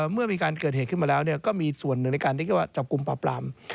เมื่อมีการเกิดเหตุขึ้นมาแล้วเนี่ยก็มีส่วนหนึ่งในการที่เรียกว่าจับกุมปลาปลาม